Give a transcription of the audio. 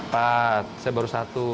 empat saya baru satu